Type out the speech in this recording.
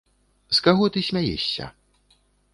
З каго ты смяешся?